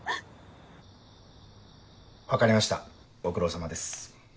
分かりましたご苦労さまです。